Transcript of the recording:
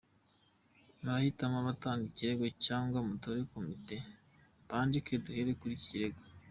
Murahitamo abatanga ikirego cyangwa mutore komite bandike duhere kuri iki kirego.